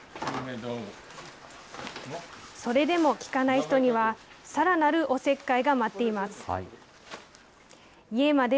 それでも聞かない人には、さらなるおせっかいが待っています。